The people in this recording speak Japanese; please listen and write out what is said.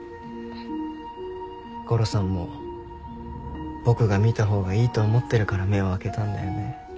ゴロさんも僕が見たほうがいいと思ってるから目を開けたんだよね。